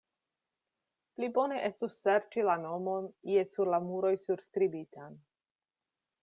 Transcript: Pli bone estus serĉi la nomon ie sur la muroj surskribitan.